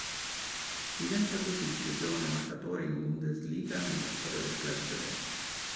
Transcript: Diventa così il più giovane marcatore in Bundesliga nella storia del club tedesco.